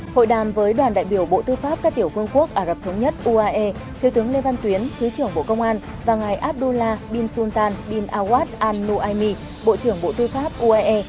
hội đàm với đoàn đại biểu bộ tư pháp các tiểu quân quốc ả rập thống nhất uae thiếu tướng lê văn tuyến thứ trưởng bộ công an và ngài abdullah binsultan bin awad al nuaimi bộ trưởng bộ tư pháp uae